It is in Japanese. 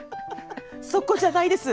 そこじゃないです！